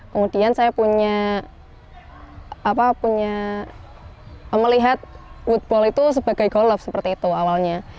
kemudian saya punya melihat woodball itu sebagai golf seperti itu awalnya